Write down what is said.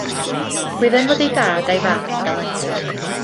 Gwyddem fod ei dad a'i fam yn dalentog.